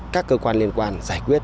các cơ quan liên quan giải quyết